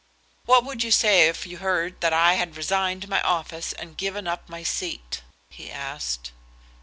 "What would you say if you heard that I had resigned my office and given up my seat?" he asked.